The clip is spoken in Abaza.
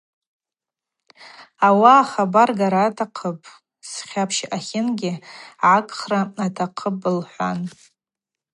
Ауаъа хабар гара атахъыпӏ, схьапщ ъатлынгьи гӏагхра атахъыпӏ, – лхӏван.